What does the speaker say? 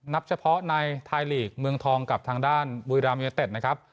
นับเฉพาะในไทยลีกเมืองทองกับทางด้านบุรีรามยูเนเต็ดนะครับ